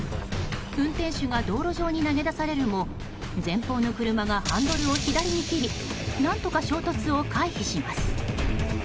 運転手が道路上に投げ出されるも前方の車がハンドルを左に切り何とか衝突を回避します。